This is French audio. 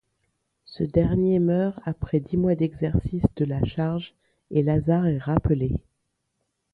Ce dernier meurt après dix mois d’exercice de la charge et Lazare est rappelé.